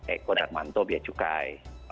eko dan manto biaya cukai